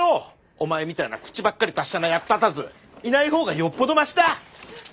おまえみたいな口ばっかり達者な役立たずいない方がよっぽどマシだ！